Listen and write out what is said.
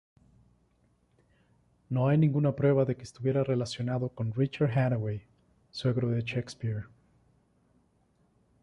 No hay ninguna prueba de que estuviera relacionado con Richard Hathaway, suegro de Shakespeare.